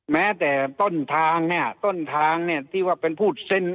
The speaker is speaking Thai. แม้แต่ต้นทางเนี่ยต้นทางเนี่ยที่ว่าเป็นพูดเซ็น